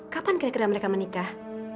kapan kira kira mereka menikah